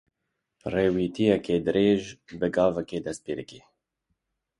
Rêwîtiyeke dirêj bi gavekê dest pê dike.